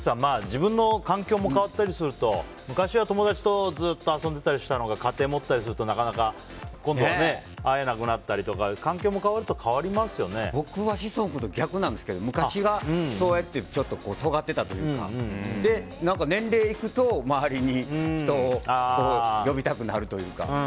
自分の環境も変わったりすると昔は友達とずっと遊んでたりしたのが家庭を持ったりするとなかなか今度は会えなくなったり僕は志尊君と逆なんですけど昔がそうやってちょっと、とがってたというか年齢いくと周りに人を呼びたくなるというか。